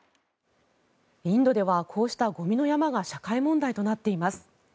インドではこうしたゴミの山が社会問題となっています。